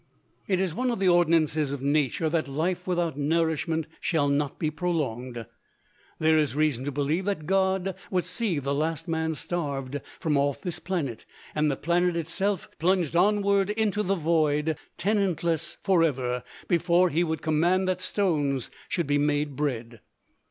It is one of the ordinances of nature that life without nourishment shall not be prolonged. There is reason to believe that God would see the last man starved from off this planet, and the planet itself plunged onward into the void, tenantless forever, before he would command that stones should be made bread.